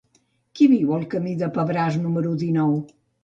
Qui viu al camí del Pebràs número dinou?